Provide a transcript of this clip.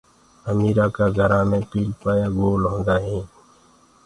اميرآ ڪآ گھرآ مي پيٚلپآيآ گول هوندآ هين۔